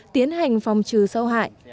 tiến hành phòng trừ sâu hại